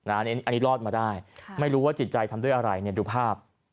อันนี้รอดมาได้ไม่รู้ว่าจิตใจทำด้วยอะไรดูภาพ